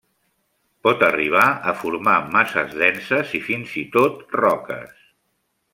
Pot arribar a formar masses denses i fins i tot roques.